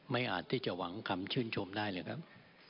อาจที่จะหวังคำชื่นชมได้เลยครับ